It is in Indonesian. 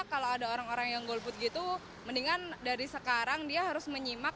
kalau ada orang orang yang golput gitu mendingan dari sekarang dia harus menyimak